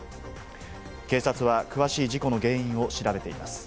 警察は詳しい事故の原因を調べています。